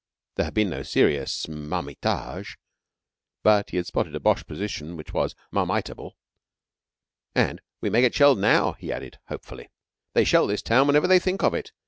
There had been no serious marmitage, and he had spotted a Boche position which was marmitable. "And we may get shelled now," he added, hopefully. "They shell this town whenever they think of it.